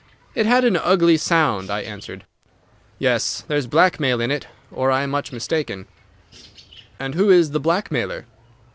"It had an ugly sound," I answered. "Yes. There's blackmail in it, or I am much mistaken." "And who is the blackmailer?"